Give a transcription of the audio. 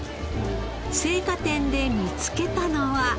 青果店で見つけたのは。